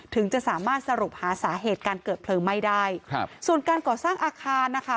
ถึงจะสามารถสรุปหาสาเหตุการเกิดเพลิงไหม้ได้ครับส่วนการก่อสร้างอาคารนะคะ